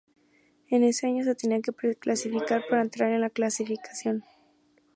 En ese año, se tenía que pre-clasificar para entrar en la clasificación.